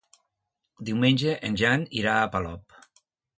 Diumenge en Jan irà a Polop.